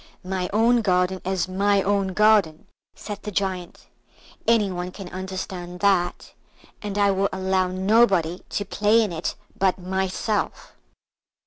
"My own garden is my own garden," said the Giant; "any one can understand that, and I will allow nobody to play in it but myself."